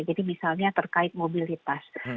jadi misalnya terkait mobilitas